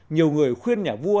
nhiều người khuyên nhà vua